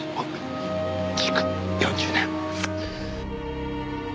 築４０年。